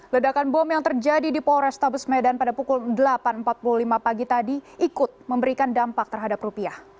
ledakan bom yang terjadi di polrestabes medan pada pukul delapan empat puluh lima pagi tadi ikut memberikan dampak terhadap rupiah